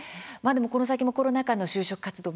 この先もコロナ禍の就職活動